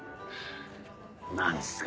何すか？